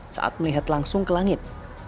saat melihat langsung ke langit